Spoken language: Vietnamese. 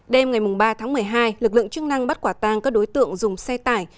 đêm ngày ba tháng một mươi hai lực lượng chức năng bắt quả tang các đối tượng dùng xe tải